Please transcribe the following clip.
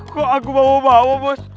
kok aku bawa bawa bos